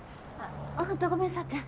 本当ごめん幸ちゃん。